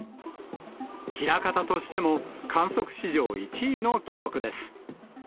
枚方としても、観測史上１位の記録です。